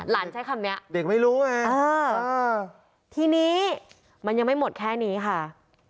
ใช้คำนี้เด็กไม่รู้ไงทีนี้มันยังไม่หมดแค่นี้ค่ะ